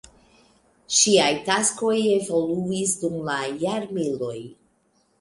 Ŝiaj taskoj evoluis dum la jarmiloj.